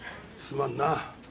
すまんな。